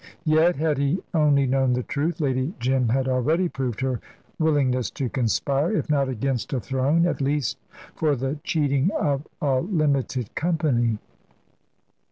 Yet, had he only known the truth, Lady Jim had already proved her willingness to conspire, if not against a throne, at least for the cheating of a limited company.